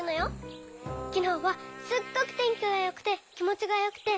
きのうはすっごくてんきがよくてきもちがよくて。